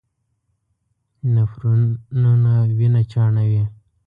نفرونونه وینه چاڼوي.